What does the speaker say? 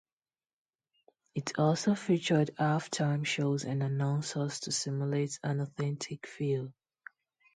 It also featured halftime shows and announcers to simulate an authentic feel.